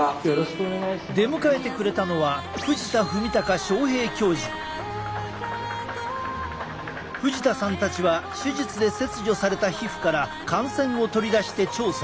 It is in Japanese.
出迎えてくれたのは藤田さんたちは手術で切除された皮膚から汗腺を取り出して調査。